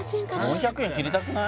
４００円切りたくない？